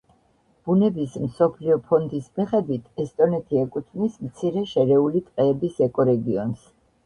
ბუნების მსოფლიო ფონდის მიხედვით ესტონეთი ეკუთვნის მცირე შერეული ტყეების ეკორეგიონს.